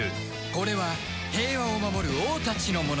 これは平和を守る王たちの物語